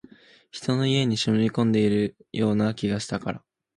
人の家に忍び込んでいるような気がしたから